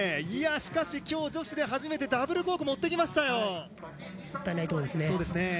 しかし、今日女子で初めてダブルコークを持ってきましたよ。